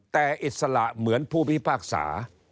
แต่อิสระเหมือนผู้พิพากษา